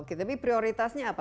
oke tapi prioritasnya apa